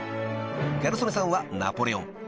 ［ギャル曽根さんはナポレオン］